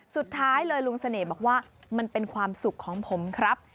สุดท้ายเลยลุงเสน่ห์บอกว่ามันเป็นความสุขของผมครับ